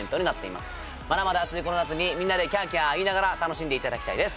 まだまだ暑いこの夏にみんなでキャーキャー言いながら楽しんで頂きたいです。